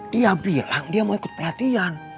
dia bilang dia mau ikut pelatihan